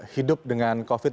hidup dengan covid